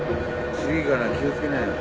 次から気をつけなよ。